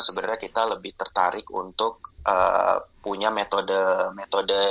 sebenarnya kita lebih tertarik untuk punya metode metode